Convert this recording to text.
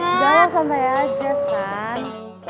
gak lo santai aja san